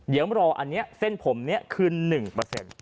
เดี๋ยวเรารออันนี้เส้นผมนี้คือ๑